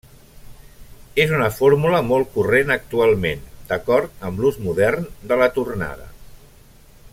És una fórmula molt corrent actualment, d'acord amb l'ús modern de la tornada.